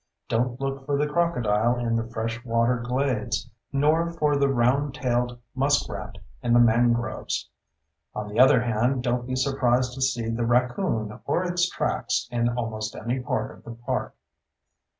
Don't look for the crocodile in the fresh water glades—nor for the round tailed muskrat in the mangroves. On the other hand, don't be surprised to see the raccoon or its tracks in almost any part of the park.